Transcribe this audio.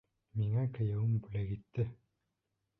Миңә кейәүем бүләк итте.